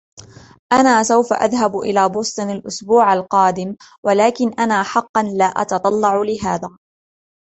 أنا سوف أذهب إلى بوستن الإسبوع القادم, ولكن أنا حقاً لا أتتطلع لهذا.